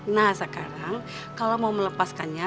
nah sekarang kalau mau melepaskannya